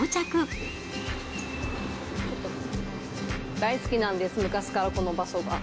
大好きなんです、昔からこの場所が。